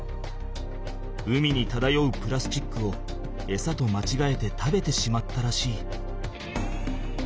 海にただようプラスチックをエサとまちがえて食べてしまったらしい。